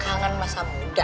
kangen masa muda